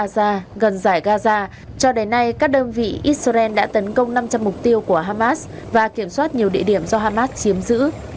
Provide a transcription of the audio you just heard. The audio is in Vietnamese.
gần giải gaza cho đến nay các đơn vị israel đã tấn công năm trăm linh mục tiêu của hamas và kiểm soát nhiều địa điểm do hamas chiếm giữ